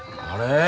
あれ？